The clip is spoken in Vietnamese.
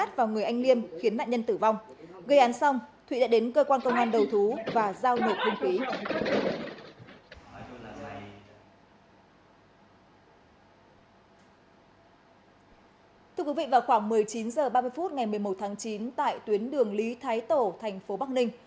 đã khoảng một mươi chín h ba mươi phút ngày một mươi một tháng chín tại tuyến đường lý thái tổ thành phố bắc ninh